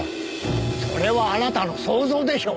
それはあなたの想像でしょう。